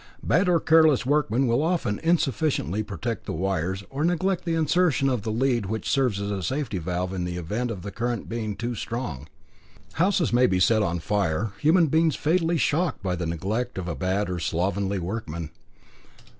Bad or careless workmen will often insufficiently protect the wires, or neglect the insertion of the lead which serves as a safety valve in the event of the current being too strong. Houses may be set on fire, human beings fatally shocked, by the neglect of a bad or slovenly workman.